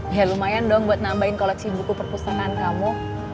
ya lumayan dong buat nambahin koleksi buku perpustakaan kamu